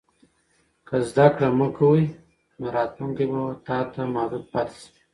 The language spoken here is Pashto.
که زده کړه مه کوې، نو راتلونکی به تا ته محدود پاتې شي.